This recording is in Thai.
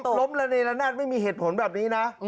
แต่ถ้าล้มระเณรันาดไม่มีเหตุผลแบบนี้นะ